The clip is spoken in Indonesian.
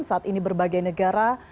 saat ini berbagai negara